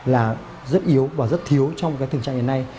là rất yếu và rất thiếu trong cái tình trạng này